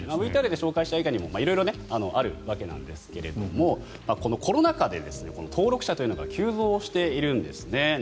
ＶＴＲで紹介した以外にも色々あるんですがこのコロナ禍で登録者というのが急増しているんですね。